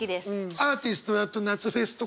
アーティストだと夏フェスとかね。